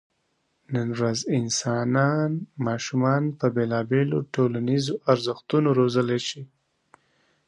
نن ورځ انسانان ماشومان په بېلابېلو ټولنیزو ارزښتونو روزلی شي.